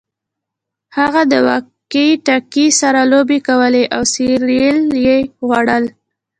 هغه د واکي ټاکي سره لوبې کولې او سیریل یې خوړل